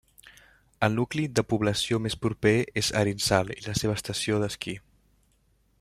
El nucli de població més proper és Arinsal i la seva estació d'esquí.